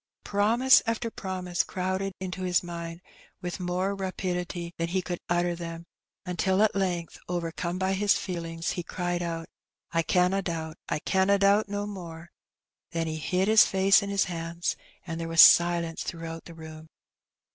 Promise after promise crowded into his mind with more rapidity than he could utter them; until at length, overcome by his feelings, he cried out, " I canna doubt, I canna doubt no more !" then he hid his face in his hands, and there was silence throughout the room.